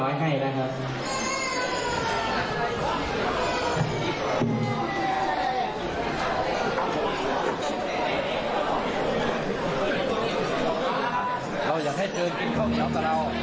เราอย่างให้เกินกินข้าวเหนียวสำหรับเรา